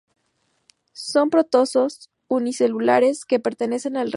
Son protozoos unicelulares que pertenecen al reino protista.